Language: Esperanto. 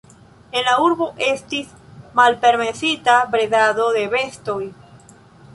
En la urbo estis malpermesita bredado de bestoj.